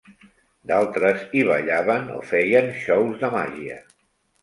D'altres hi ballaven o feien xous de màgia.